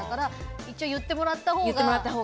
一応、言ってもらったほうが。